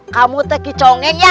kamu lagi congeng ya